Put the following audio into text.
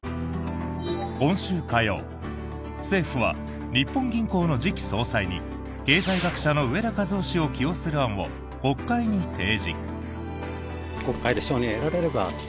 今週火曜、政府は日本銀行の次期総裁に経済学者の植田和男氏を起用する案を国会に提示。